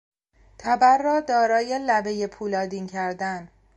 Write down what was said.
تبر را دارای لبهی پولادین کردن